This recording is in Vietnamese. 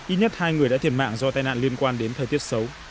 ít nhất hai người đã thiệt mạng do tai nạn liên quan đến thời tiết xấu